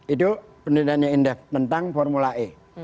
itu pendidikannya indef tentang formula e